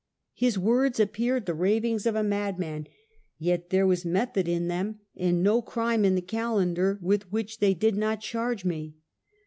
His words appeared the ravings of a mad man, yet there was method in them, and no crime in the calendar with which they did not charge me.